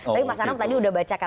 tapi mas anam tadi sudah bacakan